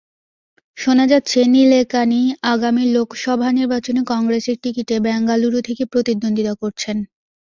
শোনা যাচ্ছে, নিলেকানি আগামী লোকসভা নির্বাচনে কংগ্রেসের টিকিটে বেঙ্গালুরু থেকে প্রতিদ্বন্দ্বিতা করছেন।